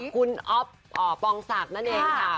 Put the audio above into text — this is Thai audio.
คุณอ๊อฟปองศักดิ์นั่นเองค่ะ